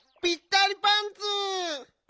ぴったりパンツ！